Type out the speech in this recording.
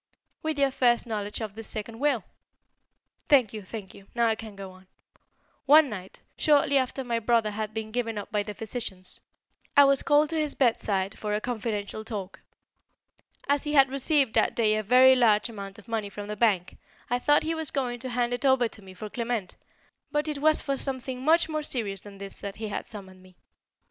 "With your first knowledge of this second will." "Thank you, thank you; now I can go on. One night, shortly after my brother had been given up by the physicians, I was called to his bedside for a confidential talk. As he had received that day a very large amount of money from the bank, I thought he was going to hand it over to me for Clement, but it was for something much more serious than this he had summoned me.